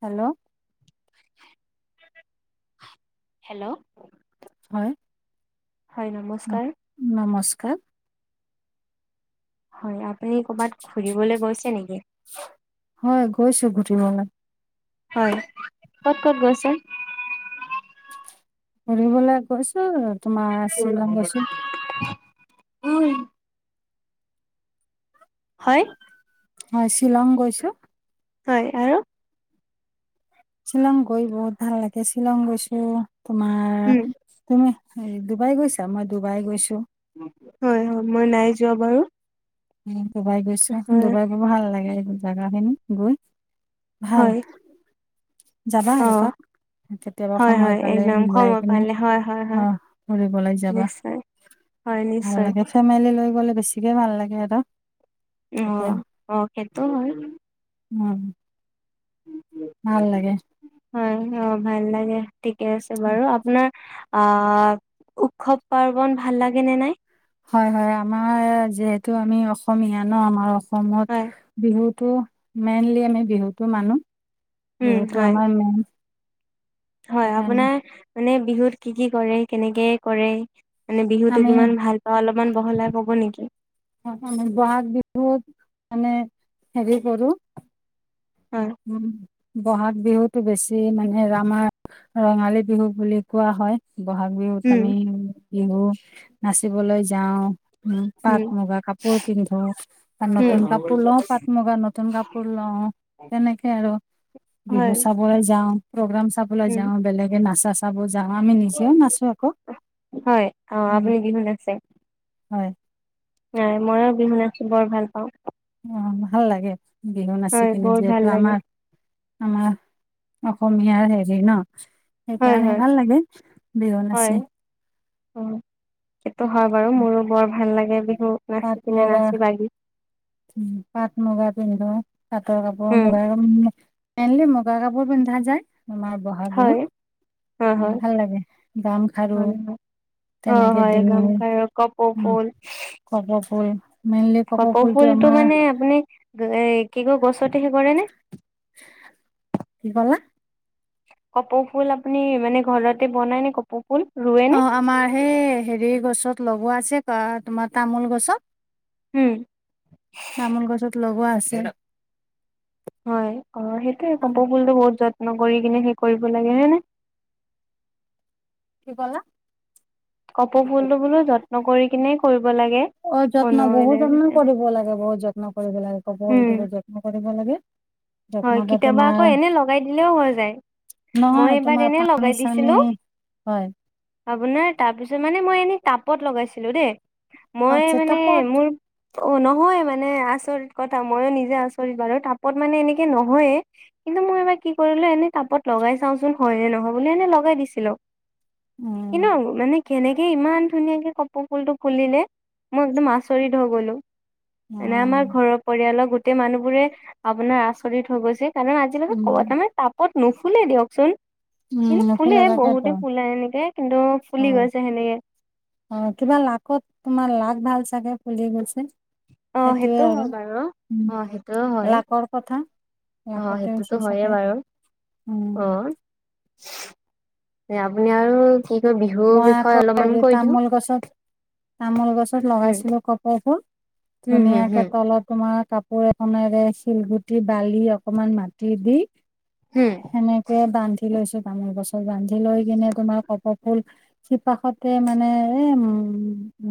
Hello. Hello. হয়। হয়, নমস্কাৰ। কাক? হয় আপুনি ক'বাত ঘুৰিবলে গৈছে নেকি? হয় গৈছো ঘূৰিবলে। হয়, ক'ত ক'ত গৈছে? ফুৰিবলৈ গৈছো, তোমাৰ শ্বিলং গৈছো। হয়? হয়, শ্বিলং গৈছো। হয় আৰু শ্বিলং গৈ বহুত ভাল লাগে। শ্বিলং গৈছো তোমাৰ উম। তুমি হেৰি ডুবাই গৈছা? মই ডুবাই গৈছো। হয়, অ মই নাই যোৱা বাৰু। ডুবাই গৈছো হয়, ডুবাই গৈ ভাল লাগে এইবোৰ জাগা খিনি গৈ। ভাল। হয়। যাবা অ', এপাক। কেতিয়াবা হয়, সময় হয় পালে একদম মিলাই সময় কিনে পালে হয়, হয়, হয় আহ ফুৰিবলৈ যাবা। নিশ্চয়। হয়, ভাল নিশ্চয় লাগে ফেমিলি লৈ গ'লে বেছিকে ভাল লাগে আৰু। তাতে অ সিটো হয়। উম ভাল লাগে। হয় অ ভাল লাগে ঠিকে আছে বাৰু আপোনাৰ আহ উৎসৱ-পাৰ্বন ভাল লাগে নে নাই? হয় হয় আমাৰ যিহেতু আমি অসমীয়া ন আমাৰ অসমত হয়, বিহুত টো মেইনলি আমি বিহুতটো মানো উম, বিহুতটো হয়। আমাৰ মেইন। হয় সেইকাৰণে আপোনাৰ মানে বিহুত কি কি কৰে, কেনেকে কৰে? মানে বিহুতো আমি কিমান ভাল পাওঁ অলপমান বহলাই কব নেকি মান বঘ বিহুত মানে হেৰি কৰো হয় উম বহাগ বিহুতটো বেছি মানে ৰামাৰ ৰঙালী বিহু বুলি কোৱা হয় বহাগ বিহুত আমি উম বিহু নাচিবলৈ যাওঁ উম পাট মুগা কাপোৰ পিন্ধো নতুন উম কাপোৰ লও পাট মুগা নতুন কাপোৰ লও তেনেকে আৰু বিহু হয় চাবলৈ যাওঁ প্ৰগ্ৰাম চাবলৈ উম যাওঁ বেলেগে নাচা চাব য যাওঁ আমি নিজেও নাচো আকৌ হয় অ আপুনি বিহু নাচে হয় নাই ময়ো বিহু নাছো বৰ ভাল পাওঁ অ ভাল লাগে বিহু নাচি হয় কিনে বহুত ভাল যিহেতু লাগে আমাৰ আমাৰ অসমীয়াৰ হেৰি ন হয় সেইকাৰণে হয় ভাল লাগে বিহু হয় নাচি অ সেইটো হয় বাৰু মোৰো বৰ ভাল লাগে বিহু নাচি কিিনে নাচি বাগি উ পাট মুগা পিন্ধো পাটৰ কাপোৰ উম মুগা মেইনলি মুগা কাপোৰ পিন্ধা যায় আোমাৰ বহাগ হয় বিহুত হয় অ', হয় ভাল লাগে গাম খাৰু। হয় হয় অ তেনেকে হয় ডিঙি গামখাৰু কপৌ ফুল কপ ফুল মেইনলি কপ কপৌ ফুল ফুলটো মানে আপুনি এ কি কয় গছত কি কলা কপৌ ফুল আপুনি মানে ঘৰতে বনাই নে কপৌ ফুল ৰুৱে নে? অ আমাৰ সেই হেৰি গছত লগোৱা আছে তোমাৰ তামোল গছত উম, চামোল গছত লগোৱা আছে হয় অ' সেইটোয়ে কপৌ ফুলটো বহুত যত্ন কৰি কিনে কি কৰিব লাগে ন নে কি বলা কপৌ ফুলটো বোলো যত্ন কৰি কিনে কৰি অ যত্ন বহুত যত্ন কৰিব লাগে বহুত যত্ন কৰিব লাগে উম, কবত বহুত যত্ন কৰিব লাগে হয় যত্নকে কেতিয়াবা আকৌ তোমাৰ এনে লগাই দিলেও হৈ যায় মই নহয় এবাৰ তোমাৰ এনে পানী লগাই চানী দিছিলো হয় আপোনাৰ তাৰপিছত মানে মই এনেই টাপত লগাইছিলো দেই মই আচ্ছা মানে তাপত মোৰ অ নহয় মানে আচৰিত কথা ময়ো নিজে আচৰিত বাৰু তাপত মানে এনে [unintelligible] নহয়ে কিন্তু মই এবাৰ কি কৰিলো এনেই কাপত লগাই চাওচোন হয় নে নহয় বুলি এনে লগাই দিছিলো। এ উম ন মানে কেনেকে ইমান ধুনীয়াকে ক পৌ ফুল টো ফুলিলে মই একদম আচৰিত হৈ গলো অ মনেে আমাৰ ঘৰৰ পৰিয়ালৰ গোটেই মানুহবোৰে আপোনাৰ আচৰিত হৈ গৈছে কাৰণ আজিলৈকত ক'ব উম তাৰ মানে তাপত নুফুলে দিয়কচোন উম কিন্তু ফুলে নুফুলে তাকেতো বহুতে ফুলাই এনেকে কিন্তু ফুলি হয় গৈছে সেনেকে অ কিবা লাকত তোমাৰ লাক ভাল চাগে ফুলি গৈছে অ সেইটোয়ে সেইটো আৰু হয় বাৰু উম অ সেইটোও হয় লাকৰ কথা অ লাকতে হৈছে সেইটোতো হয়য়ে চাগে বাৰু উম অ আপুনি আৰু কি বিহুৰ মই আকৌ বিষয়ে হেৰি অলপমান কৈ দিওঁ তামোল গছত তামোল গছত উম লগাইছিলো কপবোৰ উম হুম ধুনীয়াকে হুম তলত তোমাক কাপোৰ এখনেৰে শিলগুটি বালি অকমান মাটি দি হুম সেনেকে বান্ধি লৈছো পামৰ বছৰ বান্ধি লৈ কিনে তোমাৰ কপ হল চিপাশতে মানে এ উম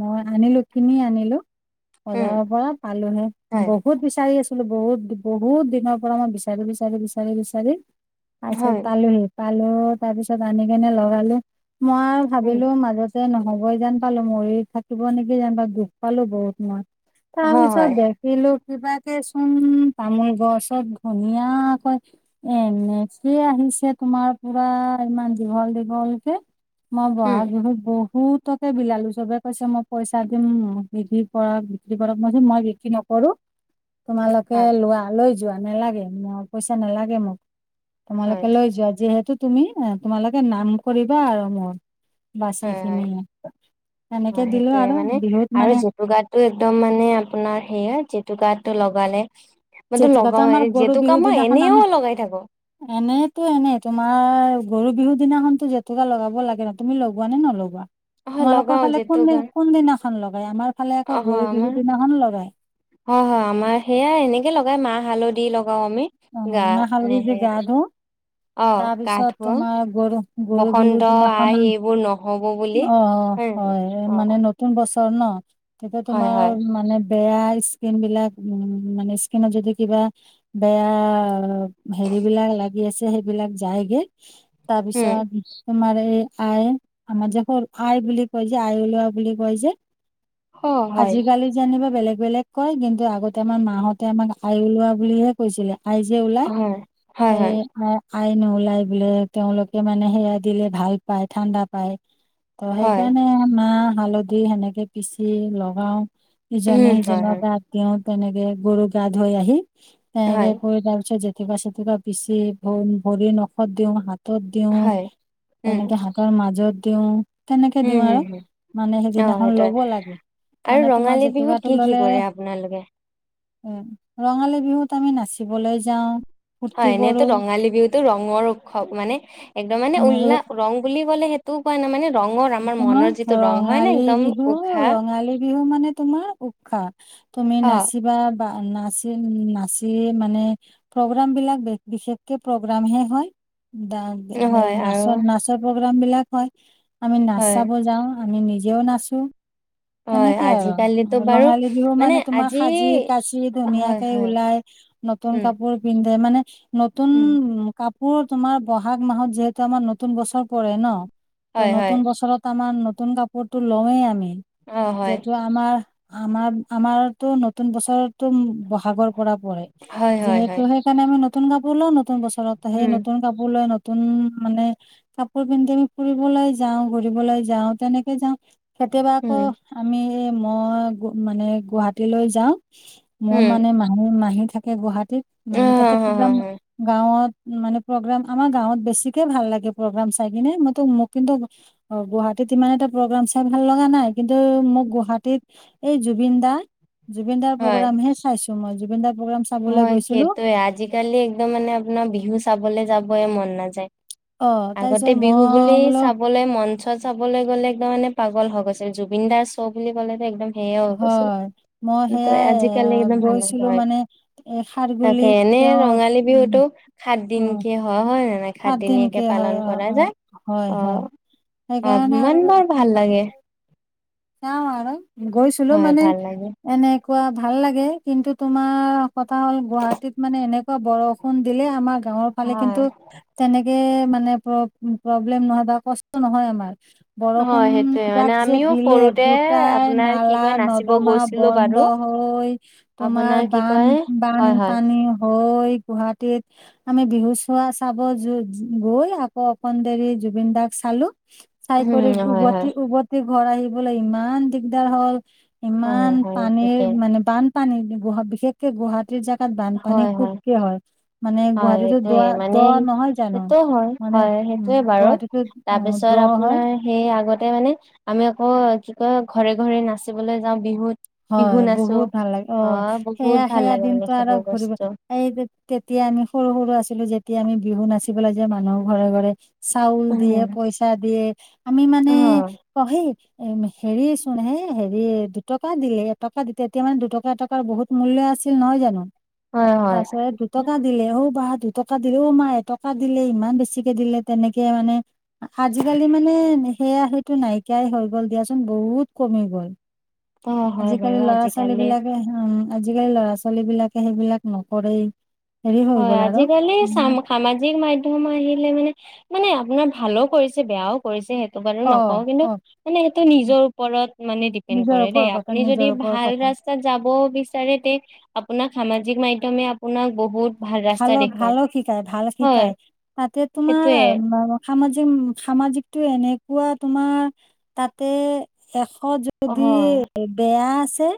মই আনিলো কিনি আনিলো উম বজাৰৰ পৰা পালোনে হয় বহুত বিচাৰি আছ বত বহত দিন পৰা মই বিচাৰি বিচাৰি বিচাৰি বিচাৰি আছে হয় তালিম পালো তাৰ পিছত আনি কেনে লগালো মই উম ভাবিলো মাজত নহ'বই যেন পালো মৰি থাকিব নেকি জানো পাই দুখ পালো বহুত মই। হয় তাৰপিছত হয় দেখিলো কিবাকে চোন তামোল গছ চব ধুনিয়াকৈ এনেকিয় আহি পিছে তোমাৰ পৰা ইমান দীঘল দীঘল কে মই উম বহাগ বিহুত বহুত বহুতোকে বিলালো চবে কৈছে মই পইচা দিম বিধি কৰক বিক্ৰী কৰক মই মই বিক্ৰী নকৰো কৰো তোমালোকে হয় লোৱা লৈ যোৱা নালাগে পইচা নালাগে মোক হয় তোমালোকে লৈ যোৱা যিহেতু তুমি তোমালোকে নাম কৰিবা আৰু মোৰ বছ হয় একখিনি হয় সেইটোয়ে মানে আৰু জেতুকা টোয়ে একদম মানে আপোনাৰ সেয়া জে জটুকটো লগালে মইতো জেতুকাটো লগাও আমাৰ হেৰি গৰু জেতুকা বিহুৰ মই দিনাখন আমি এনেও লগাই থাকো। এনেইতো এনেই তোমাৰ গৰু বিহু দিনাখনো জেতুকা লগাব লাগে ন তুমি লগোৱা নে নলোৱা। অহ লগাও তোমালোকৰ ফালে জেতুকা কোনদি কোন দিনাখন লগাই আমাৰ ফালে আকৌ অ গৰু বিহুৰ আমাৰ দিনাখন লগাই অ হয় আমাৰ সেয়া এনেকে লগাই মাহ হালধি লগ গ আমি অ গা মই হালধি দি মানেহে গা ধো অ তাৰ গা পিছত ধুৱ তোমাৰ গৰু গৰু বিহুৰ বসন্ত দিনাখন আই এইবোৰ নহব বুলি। অ হয় অ মানে নতুন বছৰ ন তেতিয়া হয় তোমাৰ হয় মানে বেয়া স্কিন বিলাক উ মানে স্কিনত যদি কিবা বেয়া হেৰি বিলাক লাগি আছে সেইবিলাক যায়গে উম তাৰপিছত তোমাৰ এই আই আমাৰ যে সৰু আই বুলি কয় যে আই ওলোৱা বুলি কয় যে অ হয় আজিকালি যোনিবা বেলেগ এই বেলেগ কয় কিন্তু আগতে আমাৰ মাহঁতে আমাক আই ওলোৱা বুলিহে কৈছিলে, আহাই যে ওলাই হয় হয় এ হয় আই নওলাই বোলে তেওঁলোকে মানে সেয়া দিলে ভাল পায় ঠাণ্ডা পায়, ত হয় সেইকাৰণে মাহ হালধি সেনেকে পিচি লগাও, ইজনে উম হয় সিজনৰ হয় গাত দিওঁ তেনেকে গৰু গা ধুই আহি এনেকে হয় কৰি তাৰ পিছত জেতুকা চেতুকা পিচি ভ ভৰি নখত দিওঁ হাত হাতত দিওঁ হয় উম তেনেকে শাকৰ মাজত দিও। তেনেকে উম দিওঁ হম আৰু হম মানে অ সেইদিনাখন সেইটোয়ে ল'ব লাগে। আৰু মানে তোমাৰ ৰঙালী বিহুত কি জেতুকাটো কি ললে কৰে আপোনালোকে উ ৰঙালী বিহুত আমি নাচিবলৈ যাও। হয় এনেইতো ৰঙালী বিহুতো ৰঙৰ উৎসৱ মানে একদম মানে কৰো উলাহ ৰং বুলি ক'লে সেই টো পোৱা ন মানে ৰঙৰ আমাৰ তোমাৰ মনৰ যিটো ৰং হয় ন ৰঙালী একদম বিহু উশাহ ৰঙালী বিহু মানে তোমাৰ উৎসৱ। তুমি অ নাচিবা বা নাচ নাচি মানে প্ৰ'গ্ৰাম বিলাক বিশেষকে প্ৰগ্ৰামহে হয়। দা হয় আৰু নাচৰ নাচৰ প্ৰগ্ৰামবিলাক হয়, আমি নাচ হয় চাব যাওঁ। আমি নিজেও নাচো। হয় তেনেকে আজিকালিতো আৰু বাৰু ৰঙালী বিহু মানে তোমাৰ সাজি কাচি হয় ধুনীয়াকে হয় ওলাই নতুন উম, কাপোৰ পিন্ধে মানে নতুন উম, কাপ কাপোৰ তোমাৰ বহাগ মাহত যিহেতু আমাৰ নতুন বছৰ পৰে ন ত' হ নতুন বছৰত আমাৰ নতুন কাপোৰটো লওঁৱেই আমি অ', হয়, যিহেতু আমাৰ আমাৰ আমাৰতো নতুন বছৰ টুন বহাগৰ পৰা পৰে, হয়, হয়, যিহেতু হয়, সেইকাৰণে আমি নতুন কাপোৰ লও নতুন বস্তু চৰত সেই উম, নতুন কাপোৰ লৈ নতুন মানে কাপোৰ পিন্ধি আমি ফুৰিবলৈ যাওঁ ঘূৰিবলৈ যাওঁ তেনেকে যাওঁ কেতিয়াবা আকৌ উম, আমি এ মই মানে গুৱাহাটীলৈ যাও, মোৰ উম, মানে মাহী মাহী থাকে গুৱাহাটী মানে তাতে পূৰা গাঁৱত মানে প্ৰ'গ্ৰাম আমাৰ গাঁৱত বেছিকে ভাল লাগে প্ৰ'গ্ৰাম চাই কিনে মইটো মোক কিন্তু অ গুৱাহাটীত ইমান এটা প্ৰগ্ৰাম চাই ভাল লগা নাই কিন্তু মোক গুৱাহাটীত এই জুবিন দা জুবিনদাৰ হয়, প্ৰ'গ্ৰাম হে চাইছো মই জুবিনদা হয় সেইটোয়ে। আজিকালি একদম মানে আপোনাৰ বিহু চাবলে যাবই মন নাযায়। অ আগতে তাৰপিছত বিহু মই বুলি বোলো চাবলৈ মন শ্ব' চাবলৈ গ'লে একদম মানে পাগল হৈ গৈছিল। জুবিন দাৰ শ্ব' বুলি ক'লেটো একদম সেইয়া হৈছিলে। হয় মই কিন্তু আজিকালি সেয়াই ইমান ভাল নলগা গৈছিলো হয় মানে এ তাকে, খাৰগুলিত এনে তেওঁ ৰঙালী উ বিহুতটো সাত অ দিনকে হয়, হ মানে সাত সাতদিনীয়াকে দিনকে হয় পালন অ কৰা অ যায়। হয় হয় অ'। অ', সেইকাৰণে আৰু ইমান বাৰ ভাল লাগে। চাওঁ আৰু। গৈছিলো হয়, মানে ভাল লাগে এনে কোৱা ভাল লাগে। কিন্তু তোমাৰ কথা হ'ল, গুৱাহাটীত মানে এনেকুৱা বৰষুণ দিলে আমাৰ গাঁৱৰ ফালে হয়। কিন্তু তেনেকে মানে প্ৰব-প্ৰব্লেম নহয় বা কষ্ট নহয় আমাৰ। বৰষুণ হয় সেইটোয়ে মানে যাক যে আমিও দিলে। সৰুতে গোটেই আপোনাৰ কি কয় নাচিব নালা-নৰ্দমা গৈছিলো বন্ধ বাৰু। হৈ তোমাৰ আপোনাৰ কি বান কয় হয় হয় বানপানী হৈ গুৱাহাটীত আমি বিহু চোৱা, চাব যো-য গৈ আকৌ অকণ দেৰি জুবিন দাক চালো। চাই কৰি উম হয় হয় উভতি-উভতি ঘৰ আহিবলৈ ইমান দিগদাৰ হ'ল। হয় ইমান হয় পানীৰ, ঠিকে মানে বানপানী গুহ বিশেষকে গুৱাহাটীৰ যাক তাত বানপানী খুবকে হয়। মানে হয় গুৱাহাটীতো এইটোয়ে দোৱা-দ মানে নহয় জানো? সেইটো হয় মানে হয় উম সেইটোয়ে বাৰু। গুৱাহাটীতো অ দ তাৰপিছত হয় আপোনাৰ সেই আগতে মানে আমি আকৌ কি কয়, ঘৰে-ঘৰে নাচিবলৈ যাওঁ বিহুত। বিহু হয়, নাচো বহুত ভাল লাগে। অ', বহুত ভাল সেয়া-সেয়া লাগে মানে দিনটো আ সেইবোৰ [unintelligible] ঘূৰিব। বস্তু এই তেতিয়া আমি সৰু-সৰু আছিলো যেত তেতিয়া আমি বিহু নাচিবলৈ যে মানুহৰ ঘৰে-ঘৰে, চাউল দিয়ে, উম পইচা দিয়ে আমি মানে অ পহি, হেৰি চোন, হে হেৰি দুটক টকা দিলে। এটকা-দুটকা, তেতিয়া মানে দুটকা-এটকাৰ বহুত মূল্য আছিল নহয় জানো? হয় হয় তাছত দুটকা দিলেও বা দুটকা দিলেই মাই, এটকা দিলেই ইমান বেছিকে দিলে। তেনেকে মানে আজিকালি মানে সেয়া, সেইটো নাইকিয়াই হৈ গ'ল দিয়াচোন বহুত কমি গ'ল। অ হয় বাৰু আজিকালি ল'ৰা-ছোৱালী আজিকালি বিলাকে হোম, আজিকালি লৰা-ছোৱালীবিলাকে সেইবিলাক নকৰেই। হেৰি হৈ হয়, গ'ল আৰু আজিকালি উম, চাম সামাজিক মাধ্যম আহিলে মানে মানে আপ আপোনাৰ ভালো কৰিছে, বেয়াও কৰিছে সেট টো কানে অ নকও, কিন্তু অ মানে সেইটো নিজৰ ওপৰত মানে ডিপেণ্ড নিজৰ কৰে দেই। ওপৰৰ কথা আপুনি যদি নিজৰ ওপৰৰ ভাল কথা ৰাত স্তাত যাবও বিচাৰে তে, আপোনাক সামাজিক মাধ্যমে আপোনাক বহুত ভাল ৰাস্তা ভালপ দেখুৱাই ভালক শিকায়, ভাল হয় শিকায়। তাতে তোমাৰ সেইটোয়ে বা সামাজিক সামাজিক টো এনেকুৱা, তোমাৰ তাতে এ অ যদি হয় বেয়া আছে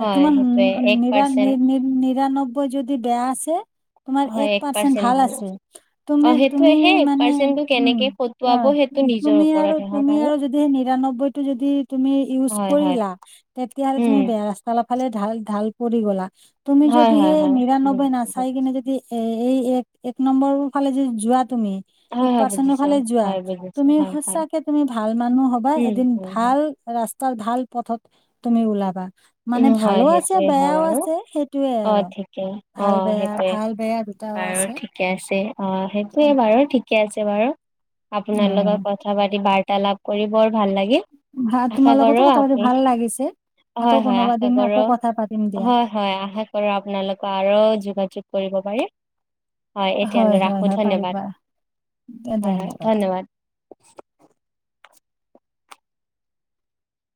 হয় তোমাৰ নি সেইটোয়ে নি নি এক নিৰা নি পাৰ্চেন্ট নি নিৰান্নব্বৈ যদি বেয়া আছে তোমাৰ এক পাৰ্চেণ্ট ভাল আছে তুমি অ তুমি সেইটোয়ে সেই এক মানে পাৰ্চেন্টটো উম কেনেকে অ খটুৱাব সেইটো নিজৰ তুমি আৰু ওপৰতহে হয় তুমি বাৰু আৰু যদি নিৰান্নব্বৈটো যদি তুমি ইউজ হয় হয় কৰিলা, তেতিয়া উম তুমি বেয়া ৰাস্তা ফালে ঢাল ঢাল পৰি গলা। তুমি হয় যদিহে হয় হয় নিৰান্নবৈ বুজিছো নাচ বুজিছো। যদি এ এই এক এক নম্বৰ ফালে যদি যোৱাত তুমি হয় এক হয় পাৰ্চেন্তৰ বুজিছো ফালে যোৱা হয় বুজিছো তুমি হয় হয় সঁচাকৈ তুমি ভাল মানুহ হবা, উম এদিন উম ভা হয় ভাল ৰাস্তাৰ, ভাল পথত তুমি ওলাবা। উম মানে হয়, ভালো আছে সেইটোৱে হয় বেয়াও বাৰু। আছে সেইটোয়ে অ আৰু ঠিকেই। অ। ভাল বেয়া সেইটোৱে। ভাল বেয়া দুটাও বাৰু আছে ঠিকে আছে, অ সেইটোয়ে বাৰু, তেনেকুৱা ঠিকে আছে। বাৰু। অ আপোনাৰ লগত কথা পাতি, বাৰ্তালাপ কৰি বৰ ভাল লাগি ভা তোমাৰ লগতো কথা পাতি ভাল লাগিছে। হয় হয় আকৌ কোনোবা আশা দিন কৰো। আকৌ কথা পাতিম দিয়া হয় হয়। আশা কৰো আপোনালোকক আৰু যোগাযোগ কৰিব পাৰি হয় এতিয়ালৈ হয় ৰাখো হয় ধন্যবাদ। পাৰিবা হয় হয় ধন্যবাদ।